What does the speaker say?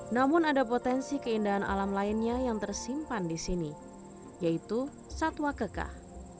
namun ada potensi keindahan alam lainnya yang tersimpan di sini yaitu satwa kekah